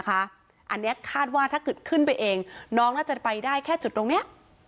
อันนี้คาดว่าถ้าเกิดขึ้นไปเองน้องน่าจะไปได้แค่จุดตรงนี้